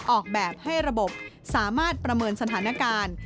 ออกแบบให้ระบบสามารถประเมินสถานการณ์